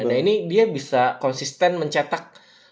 nah ini dia bisa konsisten mencetak